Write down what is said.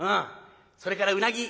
それからうなぎ。